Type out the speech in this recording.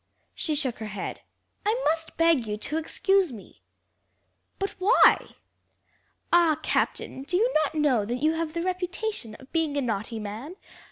She shook her head. "I must beg you to excuse me." "But why?" "Ah, captain, do you not know that you have the reputation of being a naughty man?